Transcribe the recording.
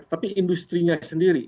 tapi industri nya sendiri